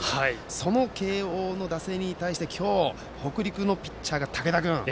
その慶応打線に対して北陸のピッチャーが竹田君。